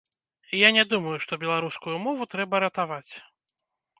Я не думаю, што беларускую мову трэба ратаваць.